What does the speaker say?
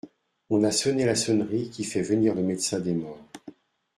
On a sonné la sonnerie qui fait venir le médecin des morts.